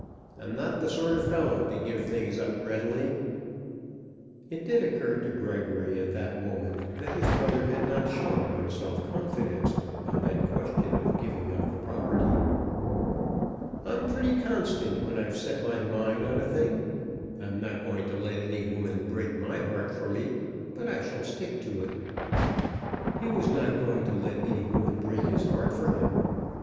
"I'm not the sort of fellow to give things up readily." It did occur to Gregory at that moment that his brother had not shown much self confidence on that question of giving up the property. "I'm pretty constant when I've set my mind on a thing. I'm not going to let any woman break my heart for me, but I shall stick to it." He was not going to let any woman break his heart for him!